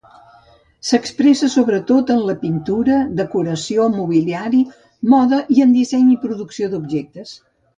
S'expressa sobretot en la pintura, decoració, mobiliari, moda i en el disseny i producció d'objectes.